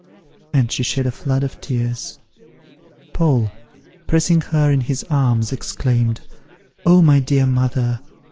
and she shed a flood of tears. Paul, pressing her in his arms, exclaimed, "Oh, my dear mother!